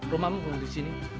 rumahmu belum di sini